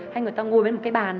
hay người ta ngồi bên một cái bàn